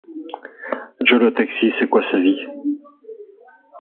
Joe le taxi, c'est quoi sa vie ?